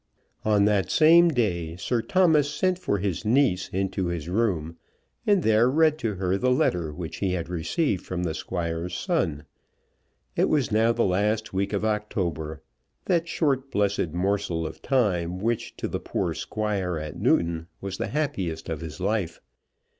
On that same day Sir Thomas sent for his niece into his room, and there read to her the letter which he had received from the Squire's son. It was now the last week of October, that short blessed morsel of time which to the poor Squire at Newton was the happiest of his life.